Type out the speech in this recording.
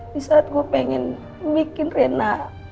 di saat gue pengen bikin rena